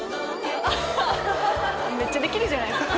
めっちゃできるじゃないですか。